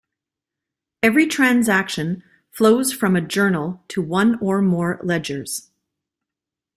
Every transaction flows from a journal to one or more ledgers.